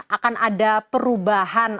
akan ada perubahan